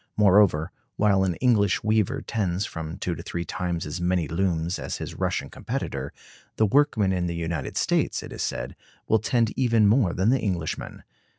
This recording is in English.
Moreover, while an English weaver tends from two to three times as many looms as his Russian competitor, the workman in the United States, it is said, will tend even more than the Englishman.